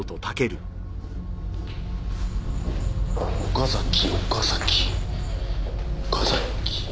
岡崎岡崎岡崎。